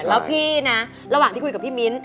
แล้วพี่นะระหว่างที่คุยกับพี่มิ้นท